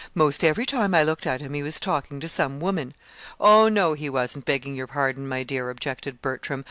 'Most every time I looked at him he was talking to some woman." "Oh, no, he wasn't begging your pardon, my dear," objected Bertram.